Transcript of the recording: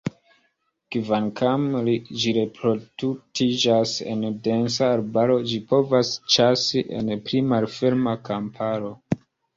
Kvankam ĝi reproduktiĝas en densa arbaro, ĝi povas ĉasi en pli malferma kamparo.